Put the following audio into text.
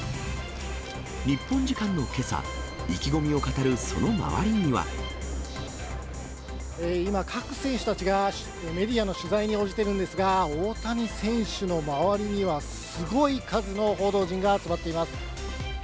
日本時間のけさ、今、各選手たちがメディアの取材に応じてるんですが、大谷選手の周りには、すごい数の報道陣が集まっています。